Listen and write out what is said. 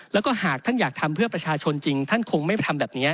แล้วก็หากท่านอยากทำเพื่อประชาชนจริงท่านคงไม่ทำแบบนี้